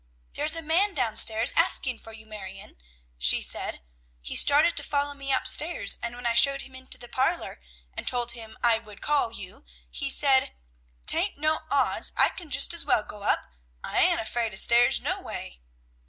"There's a man down stairs asking for you, Marion," she said. "He started to follow me up stairs; and when I showed him into the parlor, and told him I would call you, he said, "''Tain't no odds, I can jist as well go up; I ain't afraid of stairs, no way.'